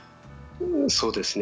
そうですね。